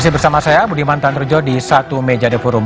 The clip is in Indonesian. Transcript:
masih bersama saya budi mantan rujo di satu meja the forum